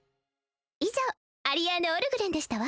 以上アリアーヌ＝オルグレンでしたわ